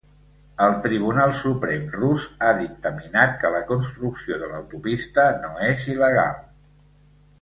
El Tribunal Suprem rus ha dictaminat que la construcció de l’autopista no és il·legal.